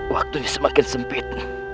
waktunya semakin sempit